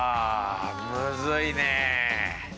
むずいね。